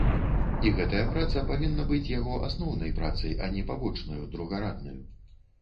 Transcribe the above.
І гэтая праца павінна быць яго асноўнай працай, а не пабочнаю, другараднаю.